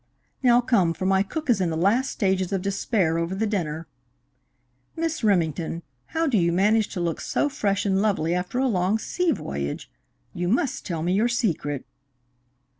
Now, come, for my cook is in the last stages of despair over the dinner. Miss Remington, how do you manage to look so fresh and lovely after a long sea voyage? You must tell me your secret."